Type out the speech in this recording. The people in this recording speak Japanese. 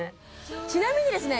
ちなみにですね